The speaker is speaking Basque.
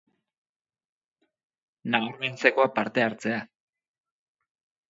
Nabarmentzekoa, parte hartzea.